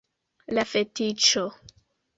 La fetiĉo!